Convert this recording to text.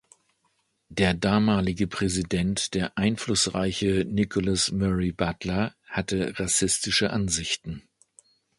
Der damalige Präsident, der einflussreiche Nicholas Murray Butler, hatte rassistische Ansichten.